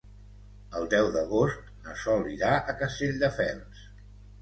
El deu d'agost na Sol irà a Castelldefels.